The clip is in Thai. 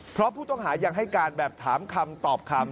เพราะผู้ต้องหายังให้การแบบถามคำตอบคำ